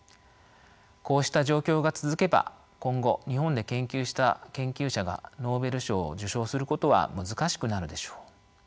こうした状況が続けば今後日本で研究した研究者がノーベル賞を受賞することは難しくなるでしょう。